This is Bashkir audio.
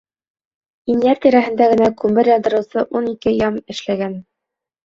Инйәр тирәһендә генә күмер яндырыусы ун ике ям эшләгән.